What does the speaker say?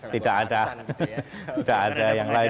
tidak ada yang lain